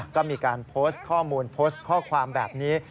ก็มีการโพสต์ข้อมูลโพสต์ข้อความแบบนี้